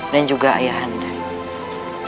dan juga ayah anda